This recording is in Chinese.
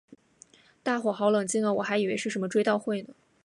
大伙好冷静啊我还以为是什么追悼会呢